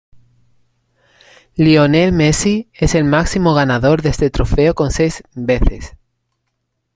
Lionel Messi es el máximo ganador de este trofeo con seis veces.